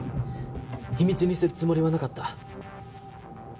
秘密にするつもりはなかった。